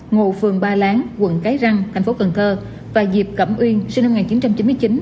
ngụ phường ba láng quận cái răng thành phố cần thơ và diệp cẩm uyên sinh năm một nghìn chín trăm chín mươi chín